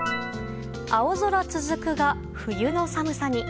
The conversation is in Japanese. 青空続くが冬の寒さに。